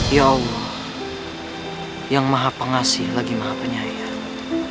ya allah yang maha pengasih lagi maha penyayang